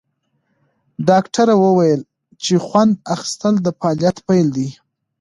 ډاکټره وویل چې خوند اخیستل د فعالیت پیل دی.